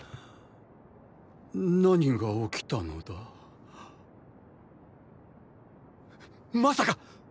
何が起きたのだ⁉まさか！！